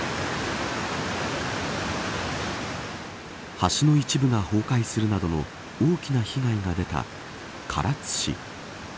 橋の一部が崩壊するなどの大きな被害が出た唐津市。